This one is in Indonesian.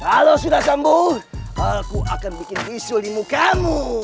kalau sudah sambut aku akan bikin bisul di mukamu